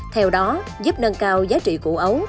theo đó giúp nâng cao giá trị của ấu